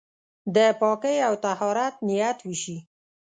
د پاکۍ او طهارت نيت وشي.